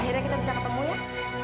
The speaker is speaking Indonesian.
akhirnya kita bisa ketemu yuk